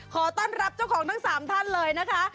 ขอต้อนรับเจ้าของทั้ง๓ท่านเลยนะคะ